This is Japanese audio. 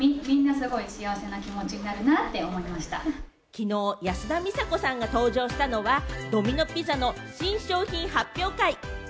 昨日、安田美沙子さんが登場したのはドミノ・ピザの新商品発表会。